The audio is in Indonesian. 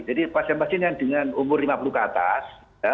jadi pasien pasien yang dengan umur lima puluh ke atas